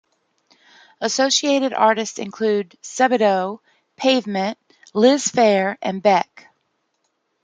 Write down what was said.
Associated artists include Sebadoh, Pavement, Liz Phair, and Beck.